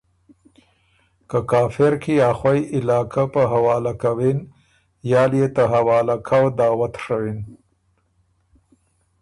که کافر کی ا خوئ علاقه په حوالۀ کَوِن یا ليې ته حواله کؤ دعوت ڒوین۔